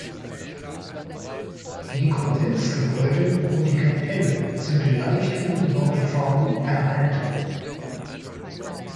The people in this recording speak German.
Die Konventsgebäude und die Kapelle sind in leicht umgebauter Form erhalten.